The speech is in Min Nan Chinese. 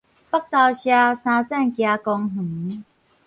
北投社三層崎公園